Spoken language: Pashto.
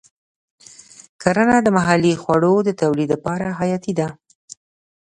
کرنه د محلي خوړو د تولید لپاره حیاتي ده.